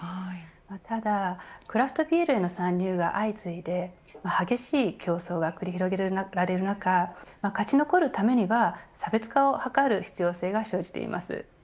ただ、クラフトビールへの参入が相次いで激しい競争が繰り広げれられる中勝ち残るためには差別化を図る必要性が生じています。